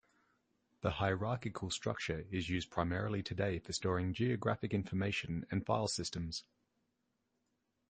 The hierarchical structure is used primarily today for storing geographic information and file systems.